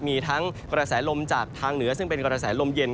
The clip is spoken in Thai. มีทั้งกระแสลมจากทางเหนือซึ่งเป็นกระแสลมเย็น